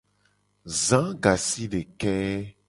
Za gasideke.